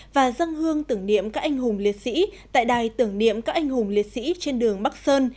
và dân hương tưởng niệm các anh hùng liệt sĩ tại đài tưởng niệm các anh hùng liệt sĩ trên đường bắc sơn